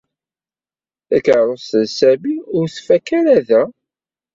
Takeṛṛust n Sami ur tfakk ara da.